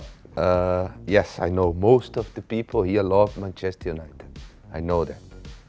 พวกคนในเมียนได้รักมันมากพวกคนเชื่อข้าเท่านั้น